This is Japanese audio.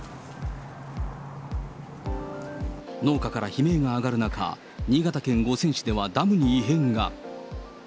農家から悲鳴が上がる中、新潟県五泉市ではダムに異変が。